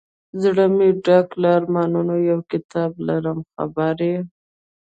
زړه مي ډک له ارمانونو یو کتاب لرم خبري